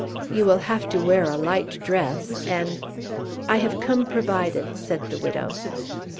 You will have to wear a light dress, and " "I have come provided," said the widow.